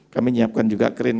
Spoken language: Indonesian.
kami siapkan juga crane